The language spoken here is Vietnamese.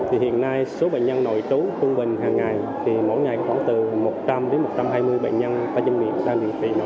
hiện nay số bệnh nhân nội trú trung bình hàng ngày mỗi ngày khoảng từ một trăm linh đến một trăm hai mươi bệnh nhân